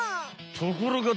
ところが